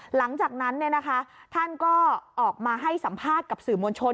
หลังจากนั้นท่านก็ออกมาให้สัมภาษณ์กับสื่อมวลชน